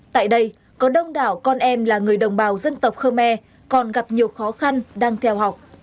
tại đây có đông đảo con em là người đồng bào dân tộc khơ me còn gặp nhiều khó khăn đang theo học